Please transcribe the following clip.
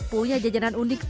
punya jajanan unik